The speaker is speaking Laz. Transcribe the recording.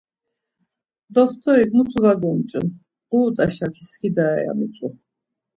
Doxtorik 'mutu var gonç̌un, ğurut̆a şaki skidare' ya mitzu.